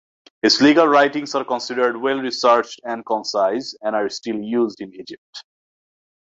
His legal writings are considered well-researched and concise, and are still used in Egypt.